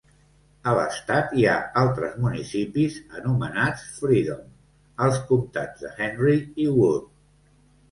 A l'estat, hi ha altres municipis anomenats Freedom als comtats de Henry i Wood.